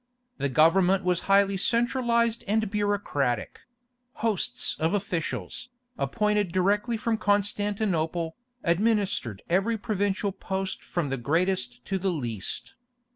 The government was highly centralized and bureaucratic; hosts of officials, appointed directly from Constantinople, administered every provincial post from the greatest to the least.